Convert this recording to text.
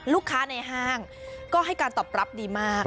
ลูกค้าในห้างก็ให้การตอบรับดีมาก